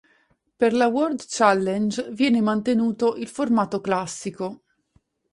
Per la "World Challenge" viene mantenuto il formato classico.